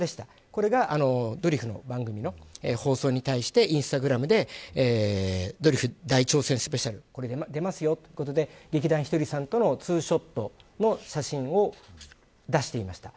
これがドリフの番組の放送に対してインスタグラムでドリフ大挑戦スペシャル出ますよということで劇団ひとりさんとのツーショットの写真を出していました。